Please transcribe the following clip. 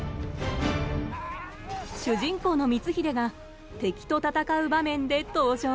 主人公の光秀が敵と戦う場面で登場。